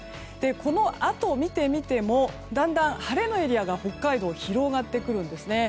このあとを見てみてもだんだん、晴れのエリアが北海道、広がってくるんですね。